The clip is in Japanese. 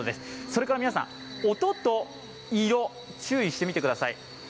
それから皆さん、音と色、注意してみてください。